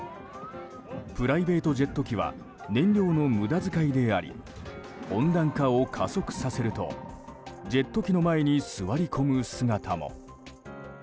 プライベートジェット機は燃料の無駄遣いであり温暖化を加速させるとジェット機の前に座り込む姿も。